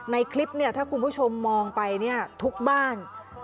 ในคลิปเนี่ยถ้าคุณผู้ชมมองไปเนี่ยทุกบ้าน